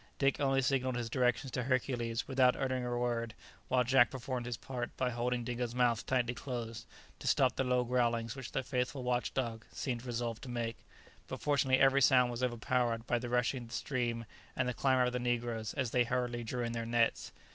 Dick only signalled his directions to Hercules, without uttering a word, while Jack performed his part by holding Dingo's mouth tightly closed, to stop the low growlings which the faithful watch dog seemed resolved to make; but fortunately every sound was overpowered by the rushing of the stream and the clamour of the negroes, as they hurriedly drew in their nets.